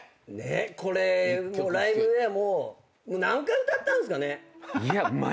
これライブではもう何回歌ったんすかね？